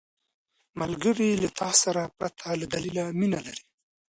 ملګری له تا سره پرته له دلیل مینه لري